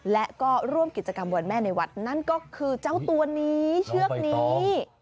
และก็ร่วมกิจกรรมวันแม่ในวัดนั่นก็คือเจ้าตัวนี้เชือกนี้